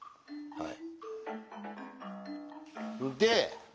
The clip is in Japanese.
はい。